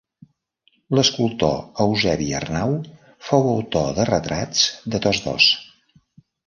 L'escultor Eusebi Arnau fou autor de retrats de tots dos.